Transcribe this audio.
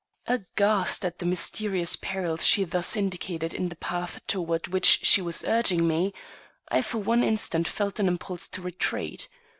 Aghast at the mysterious perils she thus indicated in the path toward which she was urging me, I for one instant felt an impulse to retreat.